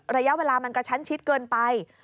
ระยะเวลามันกระชั้นชิดเกินไป